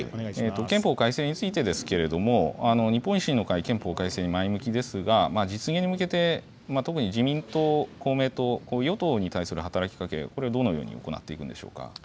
憲法改正についてですけれども、日本維新の会、憲法改正に前向きですが、実現に向けて特に自民党、公明党、与党に対する働きかけ、これはどのように行っていくんでしょうか。